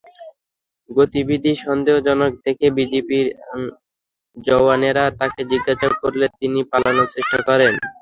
গতিবিধি সন্দেহজনক দেখে বিজিবির জওয়ানেরা তাঁকে জিজ্ঞাসা করলে তিনি পালানোর চেষ্টা করেন।